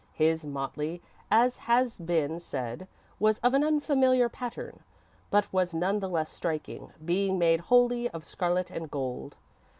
His motley, as has been said, was of an unfamiliar pattern, but was none the less striking, being made wholly of scarlet and gold.